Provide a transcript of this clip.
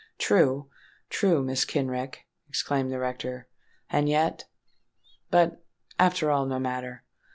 "True—true, Mrs. Kenrick," exclaimed the rector. "And yet—but, after all no matter.